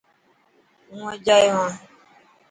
هون اڄ آيو هان.